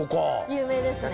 有名ですね。